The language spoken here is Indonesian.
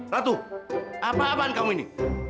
ratu apa apaan kamu ini